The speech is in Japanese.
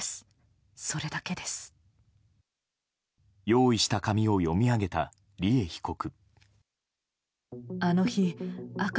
用意した紙を読み上げた利恵被告。